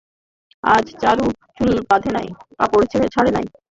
আজ চারু চুল বাঁধে নাই, কাপড় ছাড়ে নাই।